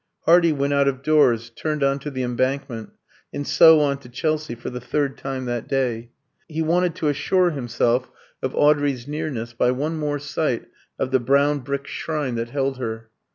Hardy went out of doors, turned on to the Embankment, and so on to Chelsea, for the third time that day. He wanted to assure himself of Audrey's nearness by one more sight of the brown brick shrine that held her.